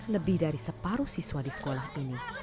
lebih dari separuh siswa di sekolah ini